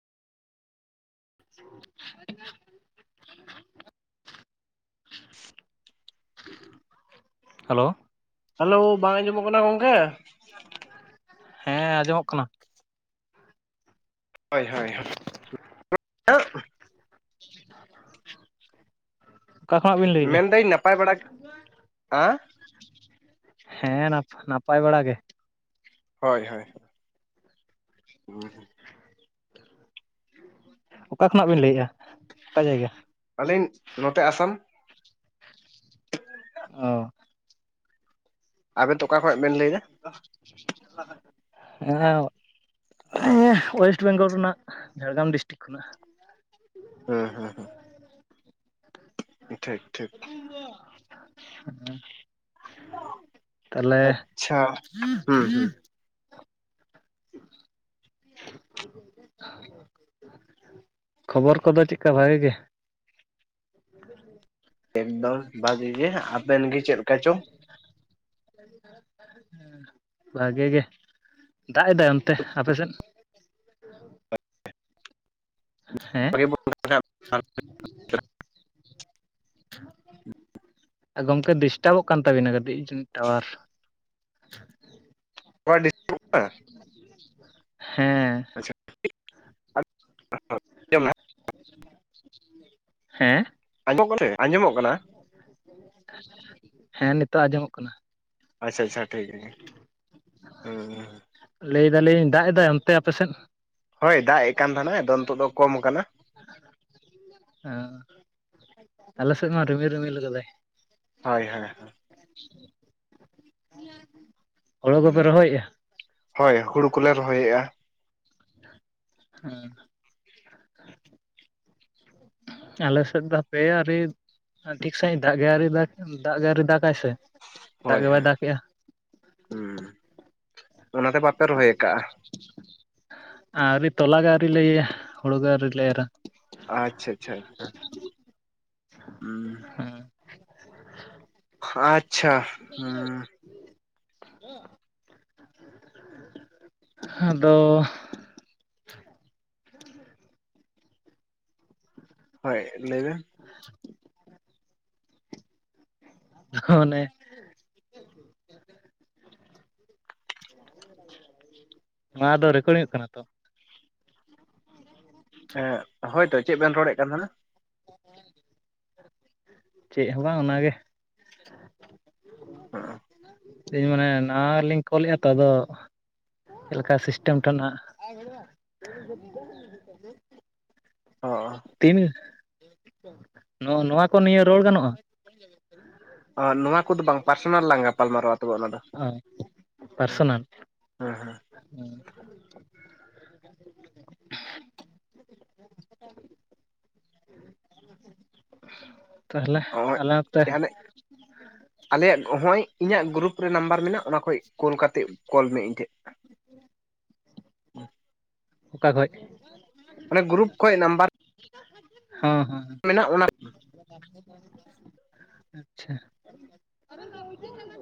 [inaudible] [inaudible] Hello hello ᱵᱟᱝ ᱟᱸᱡᱚᱢᱚᱜ ᱠᱟᱱᱟ ᱜᱚᱝᱠᱮ ᱦᱮᱸ ᱟᱸᱡᱚᱢᱚᱜ ᱠᱟᱱᱟ ᱦᱳᱭ ᱦᱳᱭ [unintelligible] [inaudible] ᱚᱠᱟ ᱠᱷᱚᱱᱟᱜ ᱵᱤᱱ ᱞᱟᱹᱭᱮᱫᱼᱟ ᱢᱮᱱᱫᱟᱹᱧ ᱱᱟᱯᱟᱭ ᱵᱟᱲᱟ [inaudible] ᱦᱮᱸ ᱦᱮᱸ ᱚᱱᱟ ᱱᱟᱯ ᱱᱟᱯᱟᱭ ᱵᱟᱲᱟ ᱜᱮ ᱦᱳᱭ ᱦᱳᱭ ᱦᱮ ᱚᱠᱟ ᱠᱷᱚᱱᱟᱜ ᱵᱤᱱ ᱞᱟᱹᱭᱮᱜᱼᱟ ᱚᱠᱟ ᱡᱟᱭᱜᱟ ᱟᱹᱞᱤᱧ ᱱᱚᱛᱮ ᱟᱥᱟᱢ ᱚ ᱟᱵᱮᱱ ᱫᱚ ᱚᱠᱟ ᱠᱷᱚᱡ ᱵᱮᱱ ᱞᱟᱹᱭᱫᱟ [unintelligible] ᱦᱮᱸ ᱮᱸ ᱳᱭᱮᱥᱴ ᱵᱮᱝᱜᱚᱞ ᱨᱮᱱᱟᱜ ᱡᱷᱟᱲᱜᱨᱟᱢ ᱰᱤᱥᱴᱤᱠ ᱠᱷᱚᱱᱟᱜ, [inaudible] ᱦᱩᱸ ᱦᱩᱸ ᱦᱩᱸ ᱴᱷᱤᱠ ᱴᱷᱤᱠ ᱦᱮ ᱛᱟᱦᱚᱞᱮ ᱟᱪᱪᱷᱟ ᱦᱩᱸ ᱦᱩᱸ [inaudible] ᱠᱷᱚᱵᱚᱨ ᱠᱚᱫᱚ ᱪᱮᱜᱠᱟ ᱵᱷᱟᱜᱤ ᱜᱮ [unintelligible] ᱮᱠᱫᱚᱢ ᱵᱷᱟᱜᱤ ᱜᱮ ᱦᱟᱸᱜ ᱟᱵᱮᱱ ᱜᱮ ᱪᱮᱫ ᱞᱮᱠᱟ ᱪᱚ [inaudible] ᱦᱮ ᱵᱷᱟᱜᱮ ᱜᱮ ᱫᱟᱜ ᱮᱫᱟᱭ ᱚᱱᱛᱮ ᱟᱯᱮ ᱥᱮᱫ? ᱦᱮᱸ [inaudible] [inaudible] ᱟᱹ ᱜᱚᱢᱠᱮ ᱰᱤᱥᱴᱟᱵᱚᱜ ᱠᱟᱱ ᱛᱟᱵᱤᱱᱟ ᱠᱟᱹᱴᱤᱡ ᱡᱟᱹᱱᱤᱡ ᱴᱟᱣᱟᱨ ᱦᱮᱸ [inaudible] ᱦᱮᱸ ᱟᱸᱡ ᱟᱸᱡᱚᱢᱚᱜ ᱠᱟᱱᱟ ᱦᱮᱸ ᱱᱤᱛᱳᱜ ᱟᱸᱡᱚᱢᱚᱜ ᱠᱟᱱᱟ ᱟᱪᱪᱷᱟ ᱟᱪᱪᱷᱟ ᱴᱷᱤᱠ ᱜᱮ ᱦᱩᱸ ᱞᱟᱹᱭᱫᱟᱞᱤᱧ ᱫᱟᱜ ᱮᱫᱟᱭ ᱚᱱᱛᱮ ᱟᱯᱮᱥᱮᱫ ᱦᱚᱭ ᱫᱟᱼᱮᱜ ᱠᱟᱱ ᱛᱟᱦᱮᱸᱱᱟᱭ ᱟᱫᱚ ᱱᱤᱛᱚᱜ ᱫᱚ ᱠᱚᱢ ᱠᱟᱱᱟ, ᱦᱮᱸ ᱟᱞᱮ ᱥᱮᱫ ᱦᱚᱸ ᱨᱤᱢᱤᱞ ᱨᱤᱢᱤᱞ ᱠᱟᱫᱟᱭ ᱦᱚᱭ ᱦᱚᱭ ᱦᱚᱭ ᱦᱮᱸ ᱦᱳᱲᱳ ᱠᱚᱯᱮ ᱨᱚᱦᱚᱭᱮᱜᱼᱟ? ᱦᱚᱭ ᱦᱩᱲᱩ ᱠᱚᱞᱮ ᱨᱚᱦᱚᱭᱮᱜᱼᱟ ᱦᱮᱸ ᱟᱞᱮ ᱥᱮᱫ ᱫᱚ ᱦᱥᱯᱮ ᱟᱹᱨᱤ ᱴᱷᱤᱠ ᱥᱟᱸᱦᱤᱡ ᱫᱟᱜ ᱜᱮ ᱟᱹᱨᱤ ᱫᱟᱜ ᱫᱟᱜ ᱜᱮ ᱟᱹᱨᱤ ᱫᱟᱜᱟᱭ ᱥᱮ, ᱫᱟᱜ ᱦᱳᱭ ᱜᱮ ᱵᱟᱭ ᱦᱳᱭ ᱫᱟᱜᱮᱜᱼᱟ ᱦᱩᱸ ᱚᱱᱟᱛᱮ ᱵᱟᱯᱮ ᱨᱚᱦᱚᱭ ᱠᱟᱜᱼᱟ ᱟᱹᱨᱤ ᱛᱚᱞᱟ ᱜᱮ ᱟᱹᱣᱨᱤ ᱞᱮ ᱤᱭᱟᱹᱭᱟ ᱦᱩᱲᱩ ᱜᱮ ᱟᱹᱣᱨᱤ ᱞᱮ ᱮᱨᱟ ᱟᱪᱪᱷᱟ ᱟᱪᱪᱷᱟ ᱟᱪᱪᱷᱟ ᱦᱩᱸ ᱟᱪᱪᱷᱟ ᱦᱩᱸ ᱟᱫᱚ ᱦᱳᱭ ᱞᱟᱹᱭᱵᱮᱱ [unintelligible] ᱦᱚᱱᱮ ᱱᱚᱣᱟ ᱫᱚ ᱨᱮᱠᱚᱰᱤᱝᱚᱜ ᱠᱟᱱᱟ ᱛᱚ, ᱦᱮᱸ ᱦᱳᱭᱛᱚ ᱪᱮᱫ ᱵᱮᱱ ᱨᱚᱲᱮᱫ ᱠᱟᱱ ᱛᱟᱦᱮᱱᱟ ᱪᱮᱜ ᱦᱚᱸ ᱵᱟᱝ ᱚᱱᱟᱜᱮ, ᱦᱚᱸᱜᱻ ᱟᱹᱞᱤᱧ ᱢᱟᱱᱮ ᱱᱟᱣᱟᱞᱤᱧ ᱠᱚᱞᱮᱜᱼᱟ ᱛᱚ ᱟᱫᱚ ᱪᱮᱫ ᱞᱮᱠᱟ ᱥᱤᱥᱴᱮᱢ ᱴᱟᱜ ᱱᱟᱜ, ᱵᱟᱭ ᱵᱷᱤᱲᱚᱜ-ᱟ [inaudible] ᱚᱻ ᱛᱤᱱ ᱱᱚᱜ-ᱚ ᱱᱚᱣᱟ ᱠᱚ ᱱᱤᱭᱟᱹ ᱨᱚᱲ ᱜᱟᱱᱚᱜᱼᱟ [inaudible] ᱱᱚᱣᱟ ᱠᱚᱫᱚ ᱵᱟᱝ ᱯᱟᱨᱥᱚᱱᱟᱞ ᱞᱟᱝ ᱜᱟᱯᱟᱞ ᱢᱟᱨᱟᱣᱟ ᱦᱳᱭ ᱯᱟᱨᱥᱚᱱᱟᱞ, ᱦᱮᱸ ᱦᱮᱸ ᱛᱟᱦᱞᱮ ᱱᱚᱜᱼᱚᱭ ᱟᱞᱮ ᱚᱠᱛᱮ ᱡᱟᱦᱟᱸ ᱟᱞᱮᱭᱟᱜ ᱦᱚᱸᱜ-ᱚᱭ ᱤᱧᱟᱹᱜ ᱜᱨᱩᱯ ᱨᱮ ᱱᱟᱢᱵᱟᱨ ᱢᱮᱱᱟᱜ ᱚᱱᱟ ᱠᱷᱚᱡ ᱠᱳᱞ ᱠᱟᱛᱮᱜ ᱠᱚᱞ ᱢᱮ ᱤᱧ ᱴᱷᱮᱜ [unintelligible] ᱚᱠᱟ ᱠᱷᱚᱡ ᱚᱱᱮ ᱜᱨᱩᱯ ᱠᱷᱚᱡ ᱱᱟᱢᱵᱟᱨ ᱦᱚᱸ ᱦᱚᱸ [inaudible] ᱢᱮᱱᱟᱜ ᱚᱱᱟ ᱟᱪᱪᱷᱟ